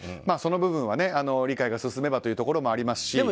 その部分は理解が進めばというところもありますし。